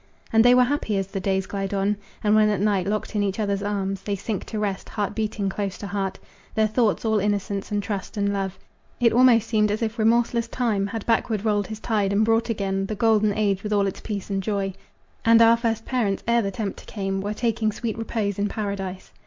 And they were happy as the days glide on, And when at night, locked in each other's arms, They sink to rest, heart beating close to heart, Their thoughts all innocence and trust and love, It almost seemed as if remorseless Time Had backward rolled his tide, and brought again The golden age, with all its peace and joy, And our first parents, ere the tempter came, Were taking sweet repose in paradise.